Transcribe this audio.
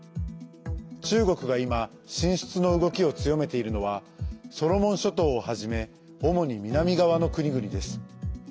中国が今、進出の動きを強めているのはソロモン諸島をはじめ主に南側の国々です。